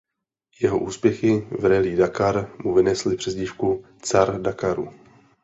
Jeho úspěchy v Rally Dakar mu vynesly přezdívku Car Dakaru.